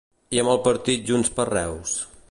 I amb el partit Junts per Reus?